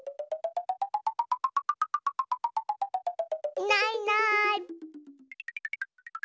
いないいない。